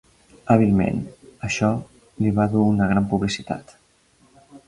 Hàbilment, això li va dur una gran publicitat.